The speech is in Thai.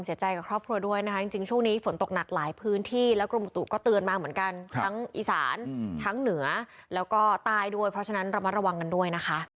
เป็นเด็กดีของพี่ค่ะนะลูกขอให้ลักษณะกลับกับตัวแม่ลูกก่อนใหม่นะลูกนะ